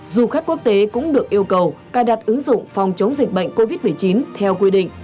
du khách quốc tế cũng được yêu cầu cài đặt ứng dụng phòng chống dịch bệnh covid một mươi chín theo quy định